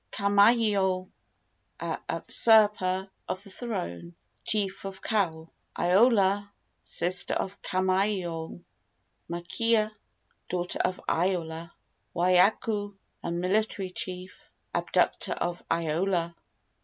Kamaiole, a usurper of the throne, chief of Kau. Iola, sister of Kamaiole. Makea, daughter of Iola. Waikuku, a military chief, abductor of Iola.